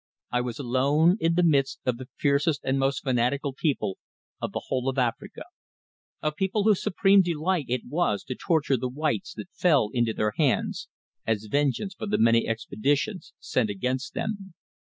I was alone in the midst of the fiercest and most fanatical people of the whole of Africa, a people whose supreme delight it was to torture the whites that fell into their hands as vengeance for the many expeditions sent against them.